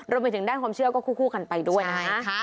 รวมไปถึงด้านความเชื่อก็คู่กันไปด้วยนะคะ